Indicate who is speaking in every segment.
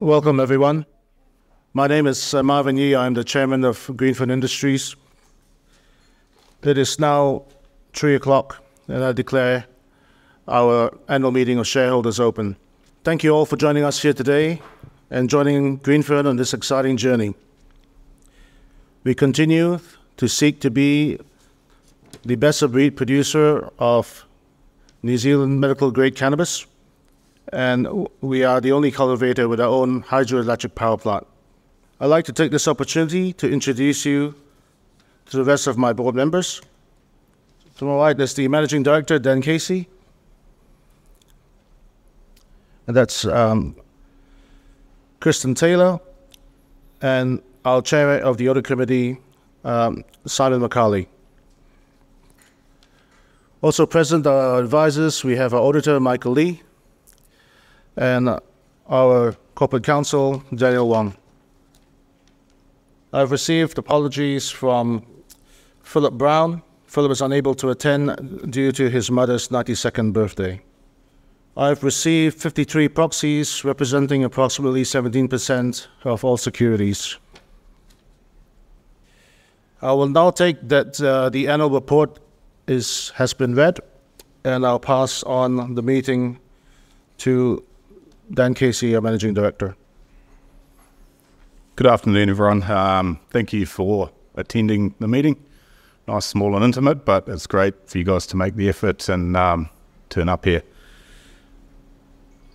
Speaker 1: Welcome, everyone. My name is Sir Marvin Yee. I'm the chairman of Greenfern Industries. It is now three oclock, and I declare our annual meeting of shareholders open. Thank you all for joining us here today and joining Greenfern on this exciting journey. We continue to seek to be the best-of-breed producer of New Zealand medical-grade cannabis, and we are the only cultivator with our own hydroelectric power plant. I'd like to take this opportunity to introduce you to the rest of my board members. To my right is the Managing Director, Dan Casey. That's Kirsten Taylor, and our Chairman of the Audit Committee, Simon McArley. Also present are our advisors. We have our auditor, Michael Lee, and our corporate counsel, Daniel Wong. I've received apologies from Philip Brown. Philip was unable to attend due to his mother's 92nd birthday. I've received 53 proxies, representing approximately 17% of all securities. I will now take that, the annual report has been read, and I'll pass on the meeting to Dan Casey, our Managing Director.
Speaker 2: Good afternoon, everyone. Thank you for attending the meeting. Nice, small, and intimate, but it's great for you guys to make the effort and turn up here.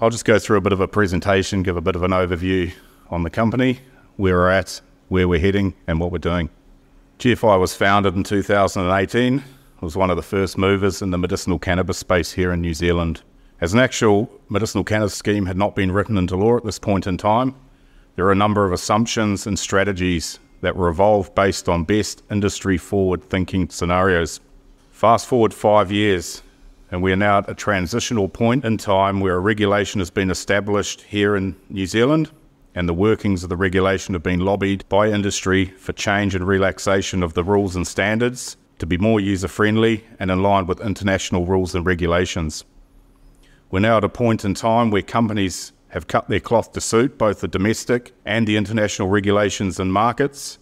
Speaker 2: I'll just go through a bit of a presentation, give a bit of an overview on the company, where we're at, where we're heading, and what we're doing. GFI was founded in 2018. It was one of the first movers in the medicinal cannabis space here in New Zealand. As an actual medicinal cannabis scheme had not been written into law at this point in time, there were a number of assumptions and strategies that were evolved based on best industry forward-thinking scenarios. Fast-forward five years, and we are now at a transitional point in time where a regulation has been established here in New Zealand, and the workings of the regulation have been lobbied by industry for change and relaxation of the rules and standards to be more user-friendly and in line with international rules and regulations. We're now at a point in time where companies have cut their cloth to suit both the domestic and the international regulations and markets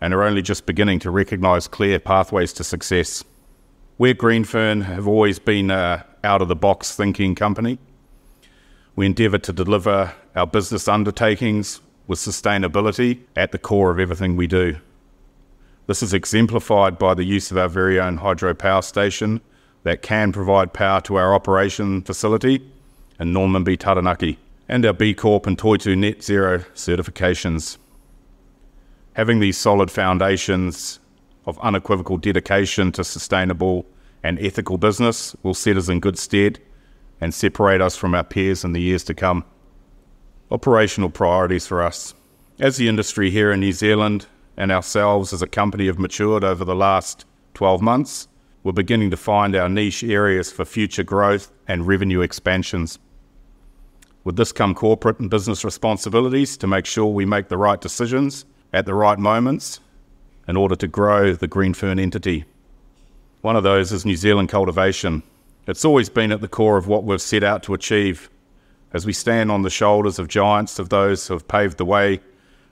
Speaker 2: and are only just beginning to recognize clear pathways to success. We at Greenfern have always been a out-of-the-box thinking company. We endeavor to deliver our business undertakings with sustainability at the core of everything we do. This is exemplified by the use of our very own hydropower station that can provide power to our operation facility in Normanby, Taranaki, and our B Corp and Toitū net carbonzero certifications. Having these solid foundations of unequivocal dedication to sustainable and ethical business will set us in good stead and separate us from our peers in the years to come. Operational priorities for us. As the industry here in New Zealand and ourselves as a company have matured over the last 12 months, we're beginning to find our niche areas for future growth and revenue expansions. With this come corporate and business responsibilities to make sure we make the right decisions at the right moments in order to grow the Greenfern entity. One of those is New Zealand cultivation. It's always been at the core of what we've set out to achieve as we stand on the shoulders of giants, of those who have paved the way,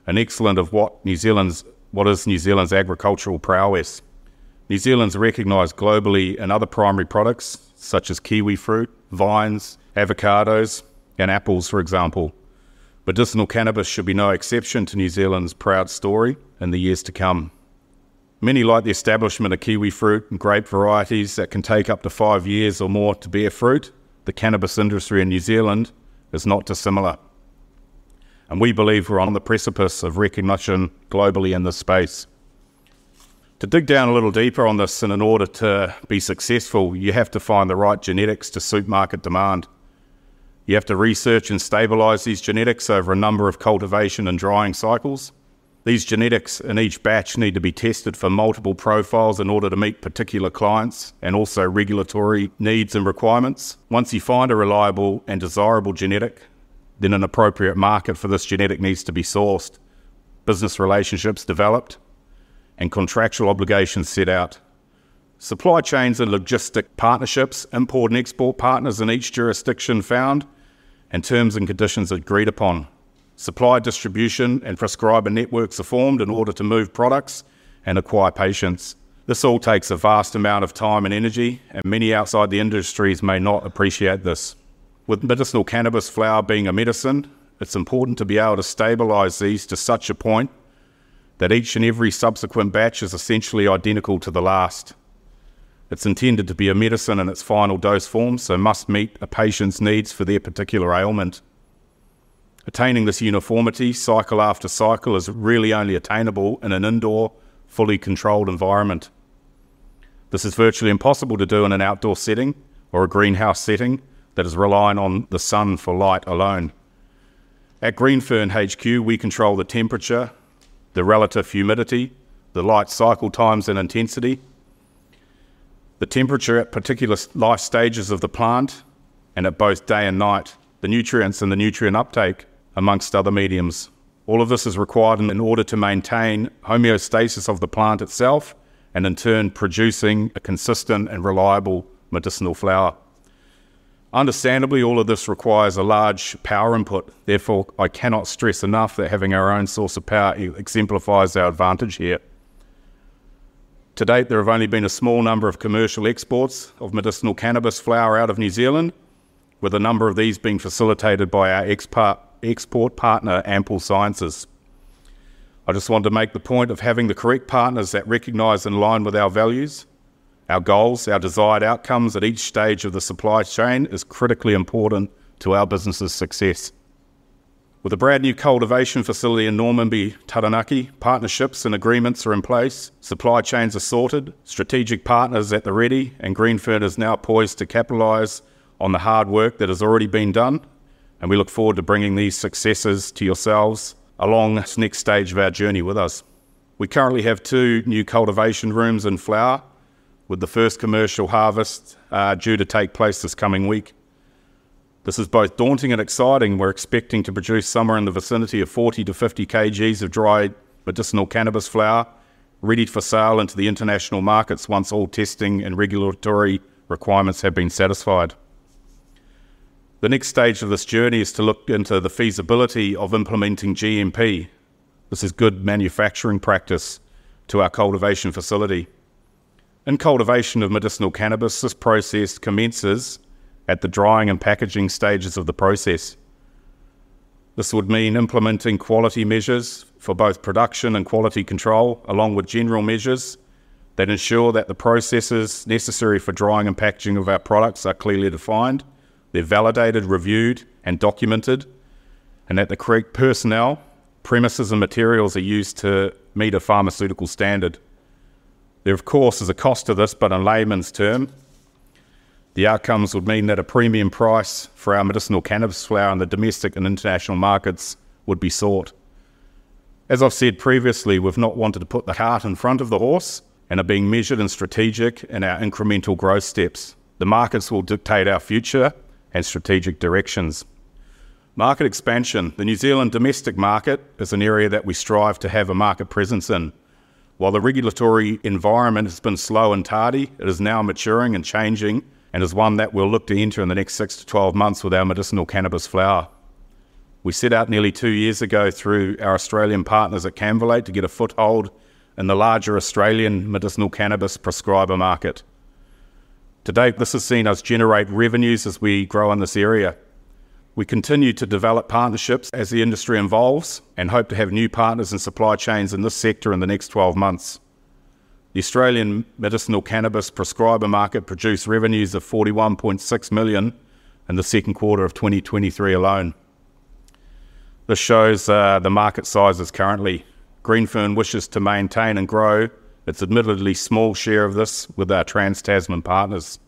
Speaker 2: and excellence of what New Zealand's agricultural prowess. New Zealand's recognized globally in other primary products such as kiwifruit, vines, avocados, and apples, for example. Medicinal cannabis should be no exception to New Zealand's proud story in the years to come. Many, like the establishment of kiwifruit and grape varieties that can take up to five years or more to bear fruit, the cannabis industry in New Zealand is not dissimilar, and we believe we're on the precipice of recognition globally in this space. To dig down a little deeper on this, and in order to be successful, you have to find the right genetics to suit market demand. You have to research and stabilize these genetics over a number of cultivation and drying cycles. These genetics in each batch need to be tested for multiple profiles in order to meet particular clients and also regulatory needs and requirements. Once you find a reliable and desirable genetic, then an appropriate market for this genetic needs to be sourced, business relationships developed, and contractual obligations set out. Supply chains and logistic partnerships, import and export partners in each jurisdiction found, and terms and conditions agreed upon. Supplier distribution and prescriber networks are formed in order to move products and acquire patients. This all takes a vast amount of time and energy, and many outside the industries may not appreciate this. With medicinal cannabis flower being a medicine, it's important to be able to stabilize these to such a point that each and every subsequent batch is essentially identical to the last. It's intended to be a medicine in its final dose form, so must meet a patient's needs for their particular ailment. Attaining this uniformity cycle after cycle is really only attainable in an indoor, fully controlled environment. This is virtually impossible to do in an outdoor setting or a greenhouse setting that is relying on the sun for light alone. At Greenfern HQ, we control the temperature, the relative humidity, the light cycle times and intensity, the temperature at particular life stages of the plant and at both day and night, the nutrients and the nutrient uptake, among other mediums. All of this is required in order to maintain homeostasis of the plant itself and in turn, producing a consistent and reliable medicinal flower. Understandably, all of this requires a large power input, therefore, I cannot stress enough that having our own source of power exemplifies our advantage here. To-date, there have only been a small number of commercial exports of medicinal cannabis flower out of New Zealand, with a number of these being facilitated by our export partner, Ampyl Sciences. I just want to make the point of having the correct partners that recognize and align with our values, our goals, our desired outcomes at each stage of the supply chain is critically important to our business's success. With a brand-new cultivation facility in Normanby, Taranaki, partnerships and agreements are in place, supply chains are sorted, strategic partners at the ready, and Greenfern is now poised to capitalize on the hard work that has already been done, and we look forward to bringing these successes to yourselves along this next stage of our journey with us. We currently have two new cultivation rooms in flower, with the first commercial harvest, due to take place this coming week. This is both daunting and exciting. We're expecting to produce somewhere in the vicinity of 40 kgs-50 kgs of dried medicinal cannabis flower, ready for sale into the international markets once all testing and regulatory requirements have been satisfied. The next stage of this journey is to look into the feasibility of implementing GMP, this is good manufacturing practice, to our cultivation facility. In cultivation of medicinal cannabis, this process commences at the drying and packaging stages of the process. This would mean implementing quality measures for both production and quality control, along with general measures that ensure that the processes necessary for drying and packaging of our products are clearly defined, they're validated, reviewed, and documented, and that the correct personnel, premises, and materials are used to meet a pharmaceutical standard. There, of course, is a cost to this, but in layman's term, the outcomes would mean that a premium price for our medicinal cannabis flower in the domestic and international markets would be sought. As I've said previously, we've not wanted to put the cart in front of the horse and are being measured and strategic in our incremental growth steps. The markets will dictate our future and strategic directions. Market expansion. The New Zealand domestic market is an area that we strive to have a market presence in. While the regulatory environment has been slow and tardy, it is now maturing and changing, and is one that we'll look to enter in the next 6-12 months with our medicinal cannabis flower. We set out nearly two years ago through our Australian partners at Cannvalate to get a foothold in the larger Australian medicinal cannabis prescriber market. To-date, this has seen us generate revenues as we grow in this area. We continue to develop partnerships as the industry evolves and hope to have new partners and supply chains in this sector in the next 12 months. The Australian medicinal cannabis prescriber market produced revenues of 41.6 million in the second quarter of 2023 alone. This shows the market size is currently. Greenfern wishes to maintain and grow its admittedly small share of this with our trans-Tasman partners.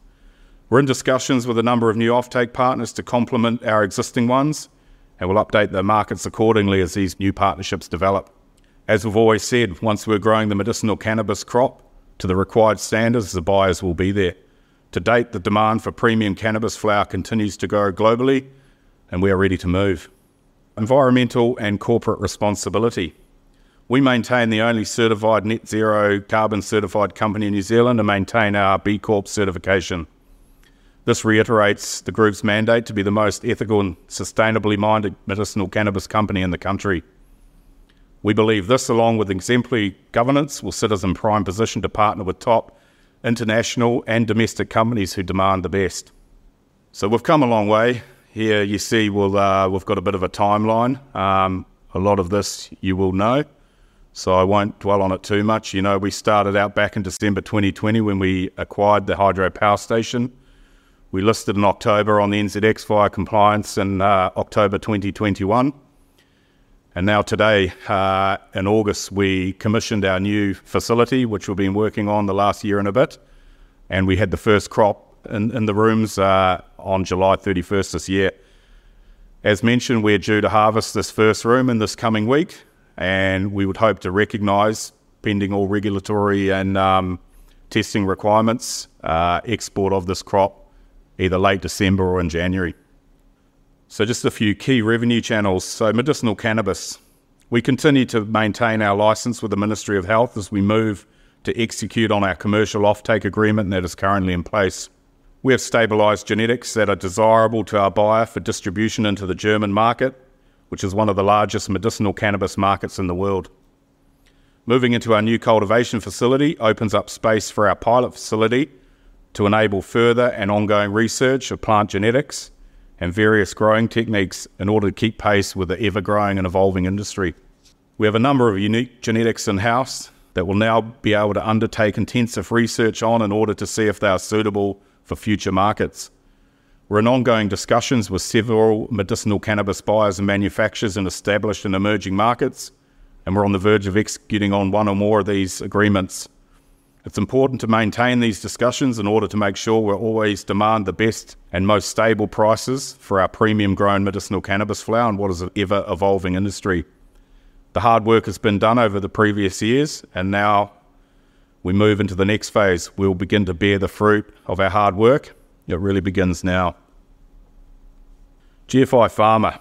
Speaker 2: We're in discussions with a number of new offtake partners to complement our existing ones, and we'll update the markets accordingly as these new partnerships develop. As we've always said, once we're growing the medicinal cannabis crop to the required standards, the buyers will be there. To-date, the demand for premium cannabis flower continues to grow globally, and we are ready to move. Environmental and corporate responsibility. We maintain the only certified net zero carbon certified company in New Zealand and maintain our B Corp certification. This reiterates the group's mandate to be the most ethical and sustainably minded medicinal cannabis company in the country. We believe this, along with exemplary governance, will sit us in prime position to partner with top international and domestic companies who demand the best. So we've come a long way. Here you see we've got a bit of a timeline. A lot of this you will know, so I won't dwell on it too much. You know, we started out back in December 2020, when we acquired the hydro power station. We listed in October on the NZX via compliance in October 2021. Now today, in August, we commissioned our new facility, which we've been working on the last year and a bit, and we had the first crop in the rooms on July 31st this year. As mentioned, we're due to harvest this first room in this coming week, and we would hope to recognize, pending all regulatory and testing requirements, export of this crop either late December or in January. So just a few key revenue channels. So medicinal cannabis. We continue to maintain our license with the Ministry of Health as we move to execute on our commercial offtake agreement that is currently in place. We have stabilized genetics that are desirable to our buyer for distribution into the German market, which is one of the largest medicinal cannabis markets in the world. Moving into our new cultivation facility opens up space for our pilot facility to enable further and ongoing research of plant genetics and various growing techniques in order to keep pace with the ever-growing and evolving industry. We have a number of unique genetics in-house that we'll now be able to undertake intensive research on in order to see if they are suitable for future markets. We're in ongoing discussions with several medicinal cannabis buyers and manufacturers in established and emerging markets, and we're on the verge of executing on one or more of these agreements. It's important to maintain these discussions in order to make sure we're always demand the best and most stable prices for our premium grown medicinal cannabis flower in what is an ever-evolving industry. The hard work has been done over the previous years, and now we move into the next phase. We will begin to bear the fruit of our hard work. It really begins now. GFI Pharma.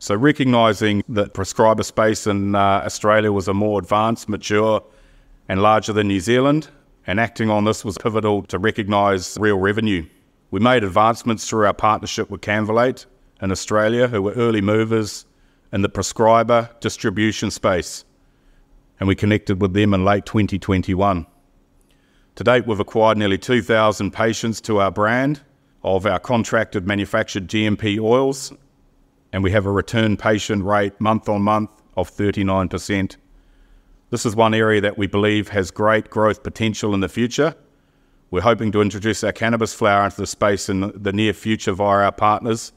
Speaker 2: So recognizing that prescriber space in Australia was a more advanced, mature, and larger than New Zealand, and acting on this was pivotal to recognize real revenue. We made advancements through our partnership with Cannvalate in Australia, who were early movers in the prescriber distribution space, and we connected with them in late 2021. To-date, we've acquired nearly 2,000 patients to our brand of our contracted manufactured GMP oils, and we have a return patient rate month-on-month of 39%. This is one area that we believe has great growth potential in the future. We're hoping to introduce our cannabis flower into the space in the near future via our partners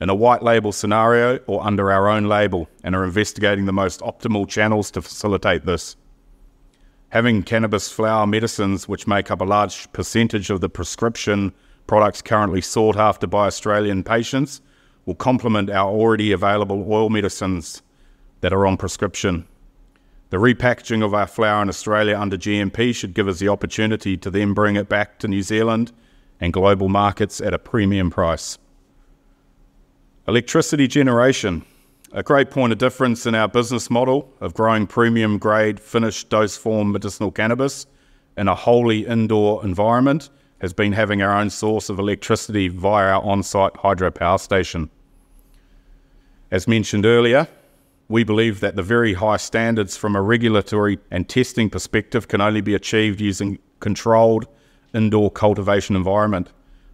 Speaker 2: in a white label scenario or under our own label, and are investigating the most optimal channels to facilitate this. Having cannabis flower medicines, which make up a large percentage of the prescription products currently sought after by Australian patients, will complement our already available oil medicines that are on prescription. The repackaging of our flower in Australia under GMP should give us the opportunity to then bring it back to New Zealand and global markets at a premium price. Electricity generation. A great point of difference in our business model of growing premium-grade, finished dose form medicinal cannabis in a wholly indoor environment, has been having our own source of electricity via our on-site hydropower station. As mentioned earlier, we believe that the very high standards from a regulatory and testing perspective can only be achieved using controlled indoor cultivation environment.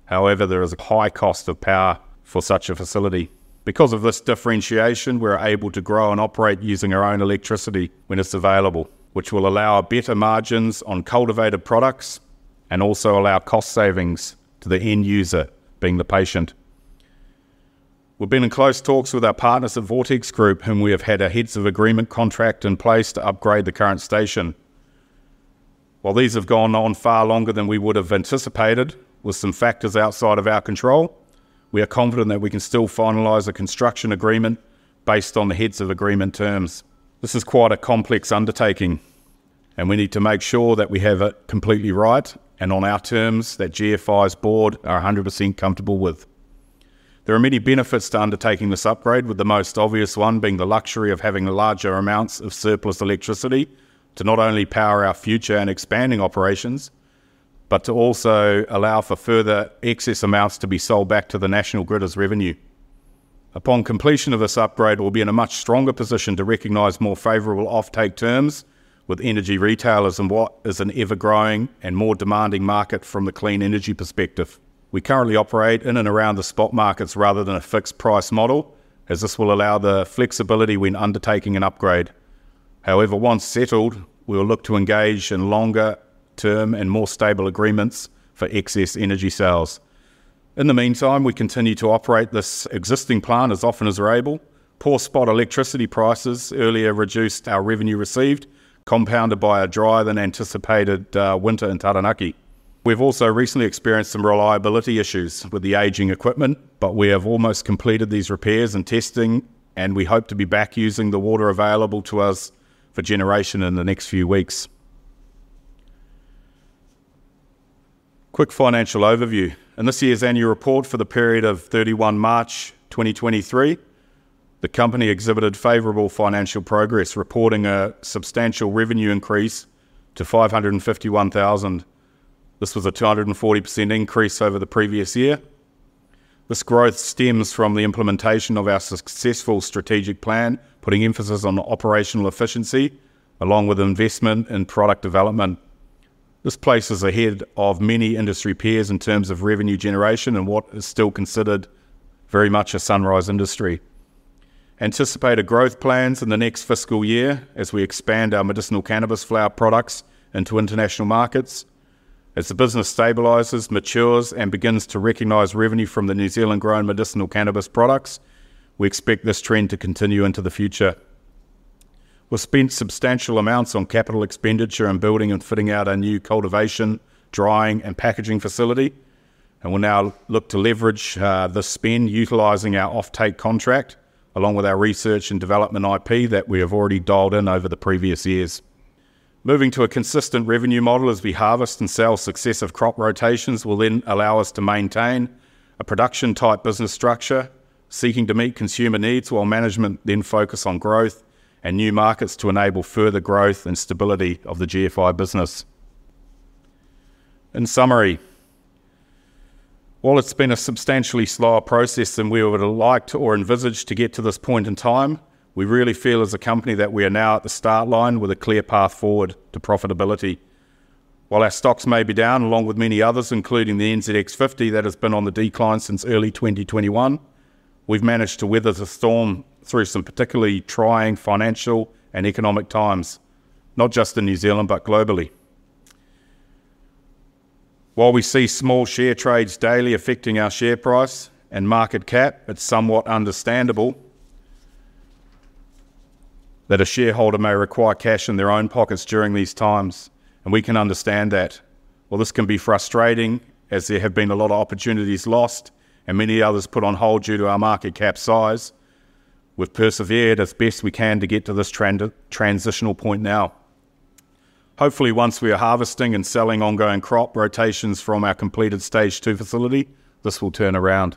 Speaker 2: However, there is a high cost of power for such a facility, because of this differentiation, we're able to grow and operate using our own electricity when it's available, which will allow better margins on cultivated products and also allow cost savings to the end user, being the patient. We've been in close talks with our partners at Vortex Group, whom we have had a heads of agreement contract in place to upgrade the current station. While these have gone on far longer than we would have anticipated, with some factors outside of our control, we are confident that we can still finalize a construction agreement based on the heads of agreement terms. This is quite a complex undertaking, and we need to make sure that we have it completely right and on our terms, that GFI's board are 100% comfortable with. There are many benefits to undertaking this upgrade, with the most obvious one being the luxury of having larger amounts of surplus electricity to not only power our future and expanding operations, but to also allow for further excess amounts to be sold back to the national grid as revenue. Upon completion of this upgrade, we'll be in a much stronger position to recognize more favorable offtake terms with energy retailers in what is an ever-growing and more demanding market from the clean energy perspective. We currently operate in and around the spot markets rather than a fixed price model, as this will allow the flexibility when undertaking an upgrade. However, once settled, we will look to engage in longer-term and more stable agreements for excess energy sales. In the meantime, we continue to operate this existing plant as often as we're able. Poor spot electricity prices earlier reduced our revenue received, compounded by a drier than anticipated winter in Taranaki. We've also recently experienced some reliability issues with the aging equipment, but we have almost completed these repairs and testing, and we hope to be back using the water available to us for generation in the next few weeks. Quick financial overview. In this year's annual report for the period of 31 March 2023, the company exhibited favorable financial progress, reporting a substantial revenue increase to 551,000. This was a 240% increase over the previous year. This growth stems from the implementation of our successful strategic plan, putting emphasis on operational efficiency along with investment in product development. This places us ahead of many industry peers in terms of revenue generation in what is still considered very much a sunrise industry. Anticipated growth plans in the next fiscal year as we expand our medicinal cannabis flower products into international markets. As the business stabilizes, matures, and begins to recognize revenue from the New Zealand-grown medicinal cannabis products, we expect this trend to continue into the future. We've spent substantial amounts on capital expenditure and building and fitting out our new cultivation, drying, and packaging facility, and we'll now look to leverage the spend utilizing our offtake contract, along with our research and development IP that we have already dialed in over the previous years. Moving to a consistent revenue model as we harvest and sell successive crop rotations will then allow us to maintain a production-type business structure, seeking to meet consumer needs, while management then focus on growth and new markets to enable further growth and stability of the GFI business. In summary, while it's been a substantially slower process than we would have liked or envisaged to get to this point in time, we really feel as a company that we are now at the start line with a clear path forward to profitability. While our stocks may be down, along with many others, including the NZX 50 that has been on the decline since early 2021, we've managed to weather the storm through some particularly trying financial and economic times, not just in New Zealand, but globally. While we see small share trades daily affecting our share price and market cap, it's somewhat understandable that a shareholder may require cash in their own pockets during these times, and we can understand that. While this can be frustrating, as there have been a lot of opportunities lost and many others put on hold due to our market cap size, we've persevered as best we can to get to this transitional point now. Hopefully, once we are harvesting and selling ongoing crop rotations from our completed stage 2 facility, this will turn around.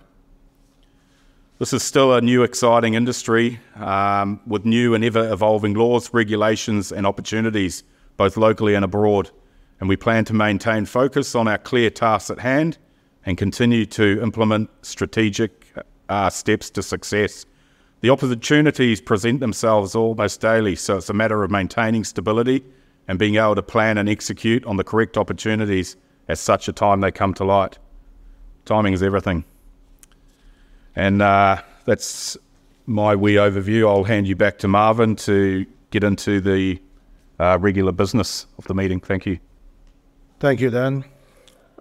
Speaker 2: This is still a new, exciting industry with new and ever-evolving laws, regulations, and opportunities, both locally and abroad, and we plan to maintain focus on our clear tasks at hand and continue to implement strategic steps to success. The opportunities present themselves almost daily, so it's a matter of maintaining stability and being able to plan and execute on the correct opportunities at such a time they come to light. Timing is everything. That's my wee overview. I'll hand you back to Marvin to get into the regular business of the meeting. Thank you.
Speaker 1: Thank you, Dan.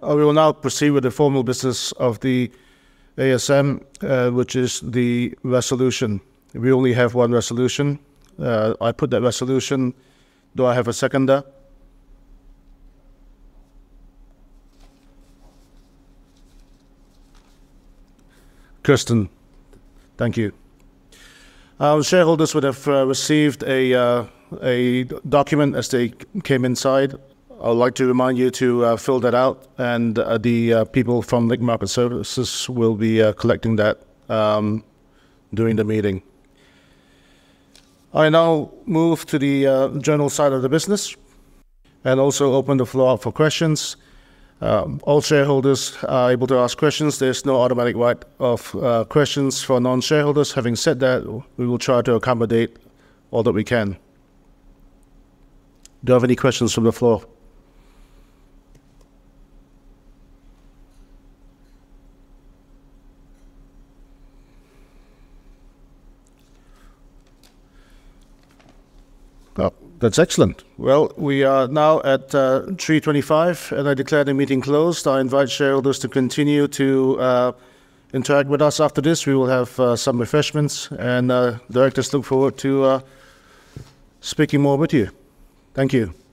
Speaker 1: We will now proceed with the formal business of the ASM, which is the resolution. We only have one resolution. I put that resolution. Do I have a seconder? Kirsten, thank you. Shareholders would have received a document as they came inside. I would like to remind you to fill that out, and the people from Link Market Services will be collecting that during the meeting. I now move to the general side of the business, and also open the floor up for questions. All shareholders are able to ask questions. There's no automatic right of questions for non-shareholders. Having said that, we will try to accommodate all that we can. Do I have any questions from the floor? Well, that's excellent. Well, we are now at 3:25, and I declare the meeting closed. I invite shareholders to continue to interact with us. After this, we will have some refreshments, and directors look forward to speaking more with you. Thank you.